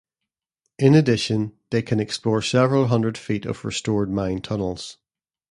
In addition, they can explore several hundred feet of restored mine tunnels.